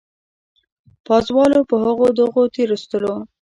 پازوالو په هغو دغو تېرېستلو.